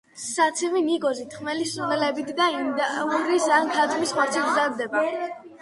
საცივი ნიგოზით, ხმელი სუნელებით და ინდაურის ან ქათმის ხორცით მზადდება.